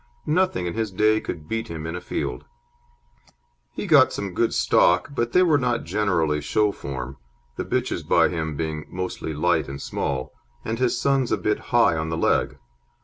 Nothing in his day could beat him in a field. He got some good stock, but they were not generally show form, the bitches by him being mostly light and small, and his sons a bit high on the leg.